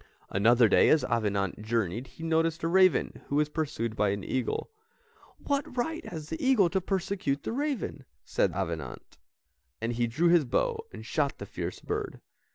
Another day as Avenant journeyed he noticed a raven who was pursued by an eagle. "What right has that eagle to persecute the raven? thought Avenant, and he drew his bow and shot the fierce bird.